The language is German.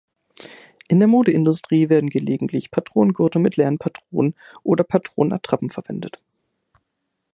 In der Modeindustrie werden gelegentlich Patronengurte mit leeren Patronen oder Patronen-Attrappen verwendet.